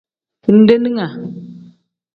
Bindeninga.